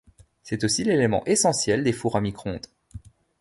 C'est aussi l'élément essentiel des fours à micro-ondes.